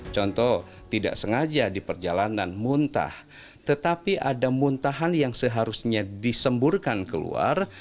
contoh tidak sengaja di perjalanan muntah tetapi ada muntahan yang seharusnya disemburkan keluar